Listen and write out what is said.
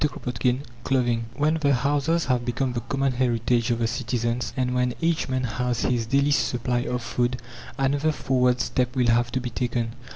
CHAPTER VII CLOTHING When the houses have become the common heritage of the citizens, and when each man has his daily supply of food, another forward step will have to be taken.